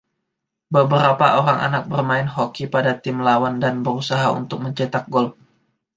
Beberapa orang anak bermain hoki pada tim lawan dan berusaha untuk mencetak gol.